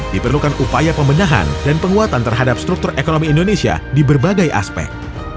diperlukan upaya pembenahan dan penguatan terhadap struktur ekonomi indonesia di berbagai aspek